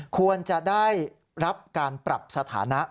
ควรจะได้รับการปรับสถานะ